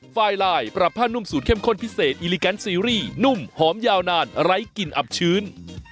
ไฟลายปรับผ้านุ่มสูตรเข้มข้นพิเศษอิลิแกนซีรีส์นุ่มหอมยาวนานไร้กลิ่นอับชื้น